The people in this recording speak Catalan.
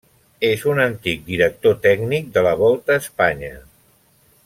És un antic director tècnic de la Volta a Espanya.